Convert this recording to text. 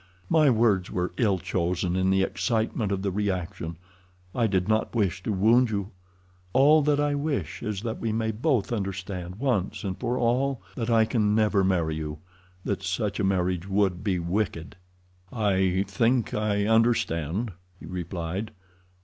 My words were ill chosen in the excitement of the reaction—I did not wish to wound you. All that I wish is that we may both understand once and for all that I can never marry you—that such a marriage would be wicked." "I think I understand," he replied.